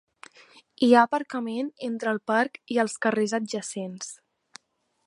Hi ha aparcament entre el parc i els carrers adjacents.